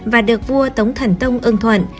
và được vua tống thần tông ưng thuận